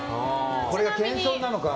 これが謙遜なのか。